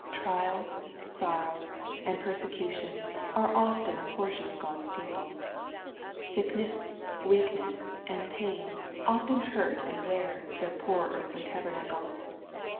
Trial, sorrow, and persecution are often the portion of God's people. Sickness, weakness, and pain often hurt and wear their poor earthly tabernacle.